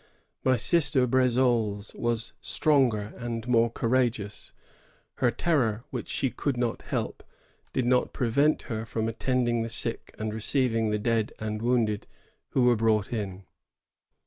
My Sister Brdsoles was stronger and more courageous; her terror, which she could not help, did not prevent her from attending the sick no THE HOLT WABS OF MONTREAL. [1«57 «1. and receiving tihe dead and wounded who were brought in.